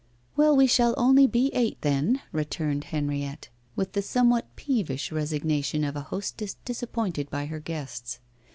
'Well, we shall only be eight, then,' resumed Henriette, with the somewhat peevish resignation of a hostess disappointed by her guests.